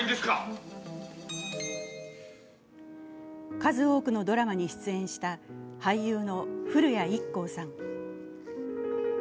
数多くのドラマに出演した俳優の古谷一行さん。